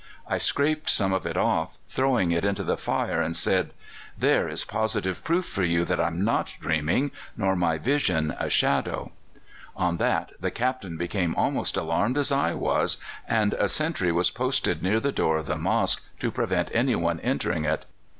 I scraped some of it off, throwing it into the fire, and said: "'There is positive proof for you that I'm not dreaming, nor my vision a shadow.' "On that the Captain became almost as alarmed as I was, and a sentry was posted near the door of the mosque to prevent anyone entering it.